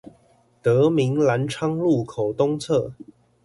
德民藍昌路口東側